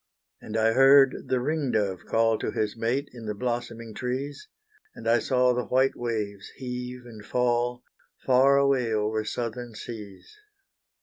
And I heard the ring dove call To his mate in the blossoming trees, And I saw the white waves heave and fall. Far away over southern seas.